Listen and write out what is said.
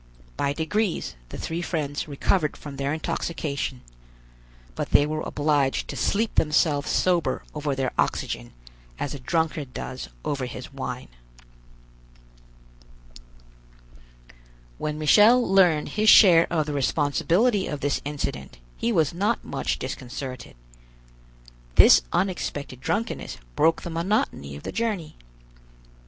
By degrees the three friends recovered from their intoxication; but they were obliged to sleep themselves sober over their oxygen as a drunkard does over his wine. When Michel learned his share of the responsibility of this incident, he was not much disconcerted. This unexpected drunkenness broke the monotony of the journey.